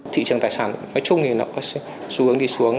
thị trường tài sản nói chung thì nó có xu hướng đi xuống